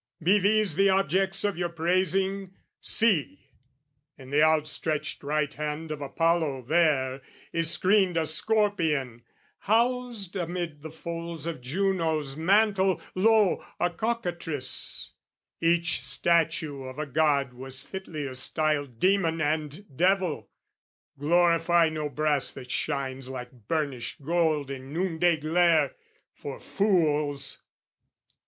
"Be these the objects of your praising? See! "In the outstretched right hand of Apollo, there, "Is screened a scorpion: housed amid the folds "Of Juno's mantle, lo, a cockatrice! "Each statue of a god was fitlier styled "Demon and devil. Glorify no brass "That shines like burnished gold in noonday glare, "For fools!